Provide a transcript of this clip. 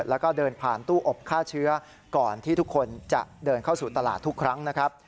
แล้วก็เดินผ่านตู้อบฆ่าเชื้อก่อนที่ทุกคนจะเดินเข้าสู่ตลาดทุกครั้งนะครับ